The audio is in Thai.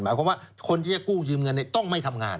หมายความว่าคนที่จะกู้ยืมเงินต้องไม่ทำงาน